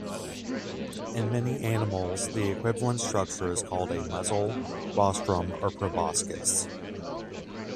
In many animals the equivalent structure is called a muzzle, rostrum or proboscis.